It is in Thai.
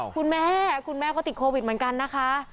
คุณแม่คุณแม่ก็ติดโควิดเหมือนกันนะคะ